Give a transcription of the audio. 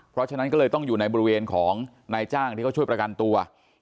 เพราะฉะนั้นก็เลยต้องอยู่ในบริเวณของนายจ้างที่เขาช่วยประกันตัว